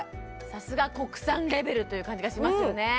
さすが国産レベルという感じがしますよね